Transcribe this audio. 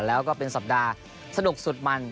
แล้วก็เป็นสัปดาห์สนุกสุดมัน